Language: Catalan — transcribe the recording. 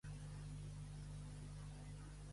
La bona viuda mai s'oblida del primer marit.